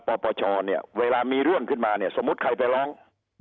ปปชเวลามีเรื่องขึ้นมาสมมติใครไปร้อง